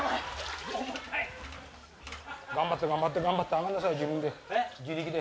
頑張って頑張って頑張って上がんなさい自分で。